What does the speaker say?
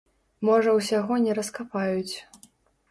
Можа ўсяго не раскапаюць.